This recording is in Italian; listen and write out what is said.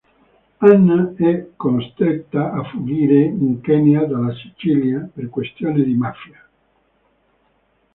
Anna è costretta a fuggire in Kenya dalla Sicilia per questioni di mafia.